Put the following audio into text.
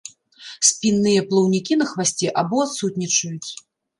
Спінныя плаўнікі на хвасце або адсутнічаюць.